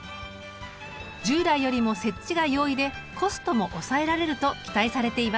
従来よりも設置が容易でコストも抑えられると期待されています。